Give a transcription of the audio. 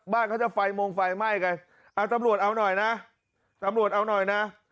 บ้านเขาจะไฟมงไฟไหม้กันเอาตำรวจเอาหน่อยนะตำรวจเอาหน่อยนะ